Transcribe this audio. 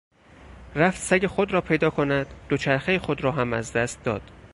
رفت سگ خود را پیدا کند دوچرخه خود را هم از دست داد.